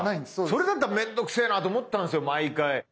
それだったら面倒くせえなと思ったんですよ毎回。